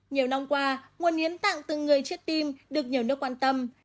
nhiều năm qua nguồn hiến tặng từ người chết tim được nhiều nước quan tâm